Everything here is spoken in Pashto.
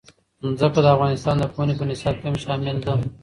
ځمکه د افغانستان د پوهنې په نصاب کې هم شامل دي.